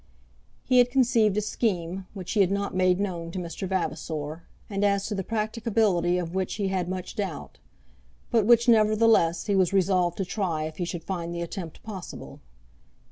He had conceived a scheme which he had not made known to Mr. Vavasor, and as to the practicability of which he had much doubt; but which, nevertheless, he was resolved to try if he should find the attempt possible.